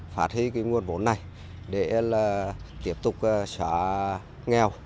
phát triển nguồn phổn này để tiếp tục xóa nghèo